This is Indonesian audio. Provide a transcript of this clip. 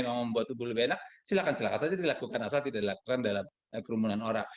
yang membuat tubuh lebih enak silakan silakan saja dilakukan asal tidak dilakukan dalam kerumunan orang